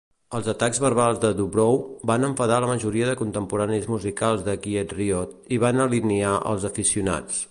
Els atacs verbals de DuBrow van enfadar a la majoria de contemporanis musicals de Quiet Riot i van alienar els aficionats.